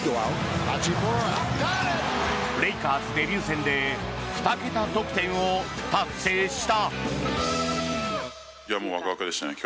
レイカーズデビュー戦で２桁得点を達成した。